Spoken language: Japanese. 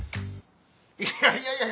いやいやいや。